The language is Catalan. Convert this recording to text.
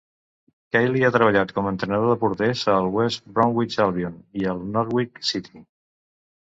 Kiely ha treballat com entrenador de porters al West Bromwich Albion i al Norwich City.